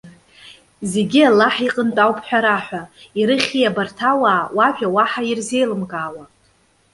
Зегьы Аллаҳ иҟынтә ауп ҳәа раҳәа. Ирыхьи абарҭ ауаа, уажәа уаҳа ирзеилымкаауа?